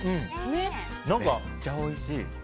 めっちゃおいしい。